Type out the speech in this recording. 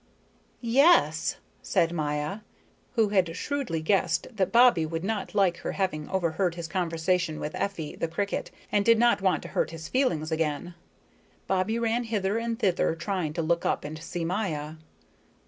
"Yes," said Maya, who had shrewdly guessed that Bobbie would not like her having overheard his conversation with Effie, the cricket, and did not want to hurt his feelings again. Bobbie ran hither and thither trying to look up and see Maya.